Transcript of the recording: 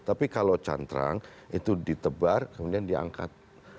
tapi kalau cantrang itu ditebar kemudian diangkat